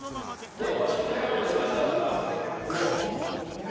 和食で食べてる味だからえ